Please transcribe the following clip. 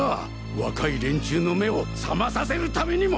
若い連中の目を覚まさせるためにも！